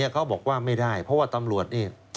เขาบอกว่าไม่ได้เพราะว่าตำรวจนี่